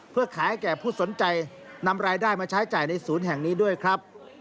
เพื่อขายให้แก่ผู้สนใจนำรายได้มาใช้จ่ายในศูนย์แห่งนี้ด้วยครับ